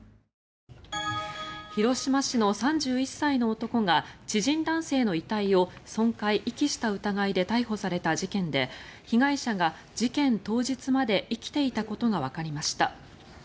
広島市の３１歳の男が知人男性の遺体を損壊・遺棄した疑いで逮捕された事件で被害者が事件当日まで生きていたことがわかりました。